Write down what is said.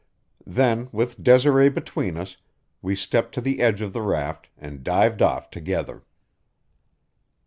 Then, with Desiree between us, we stepped to the edge of the raft and dived off together.